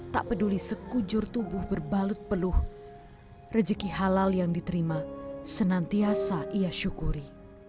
tak peduli sekujur tubuh berbalut peluh rejeki halal yang diterima senantiasa ia syukuri